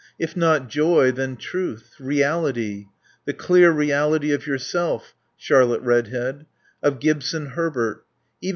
If not joy, then truth; reality. The clear reality of yourself, Charlotte Redhead. Of Gibson Herbert.